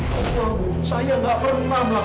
tolong agak luar tidak banyak